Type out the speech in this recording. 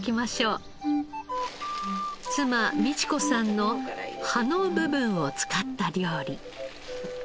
妻美智子さんの葉の部分を使った料理。